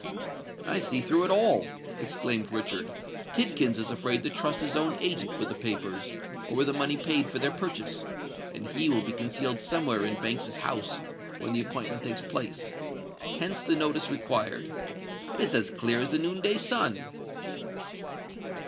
"I see through it all!" exclaimed Richard. "Tidkins is afraid to trust his own agent with the papers or with the money paid for their purchase; and he will be concealed somewhere in Banks's house when the appointment takes place. Hence the notice required. It is as clear as the noon day sun."